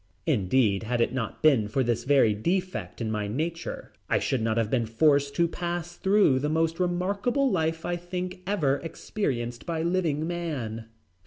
Indeed, had it not been for this very defect in my nature, I should not have been forced to pass through the most remarkable life, I think, ever experienced by living man.